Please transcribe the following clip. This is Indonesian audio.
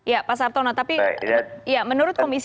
ya pak sartono tapi ya menurut komisi